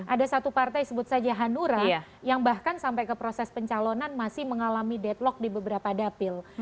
ada satu partai sebut saja hanura yang bahkan sampai ke proses pencalonan masih mengalami deadlock di beberapa dapil